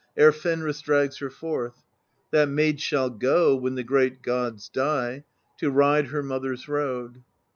Ere Fenris drags her forth; That maid shall go, when the great gods die, To ride her mother's road.